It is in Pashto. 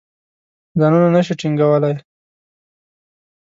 ځانونه نه شي ټینګولای.